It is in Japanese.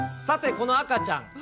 さて、この赤ちゃん。